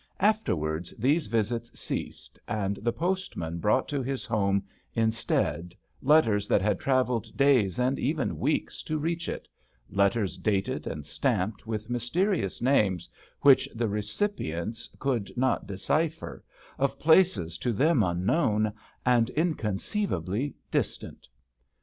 Afterwards, these visits ceased, and the postman brought to his home, instead, letters that had travelled days, and even weeks, to reach it — ^letters dated and stamped with mysterious names, which the recipients could not decipher, of D 49 HAMPSHIRE VIGNETTES places to them unknown and unconceivably distant.